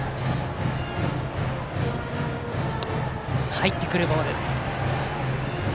入ってくるボール。